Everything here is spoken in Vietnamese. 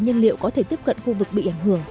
nhân liệu có thể tiếp cận khu vực bị ảnh hưởng